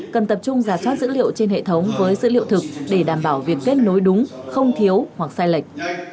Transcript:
cần tập trung giả soát dữ liệu trên hệ thống với dữ liệu thực để đảm bảo việc kết nối đúng không thiếu hoặc sai lệch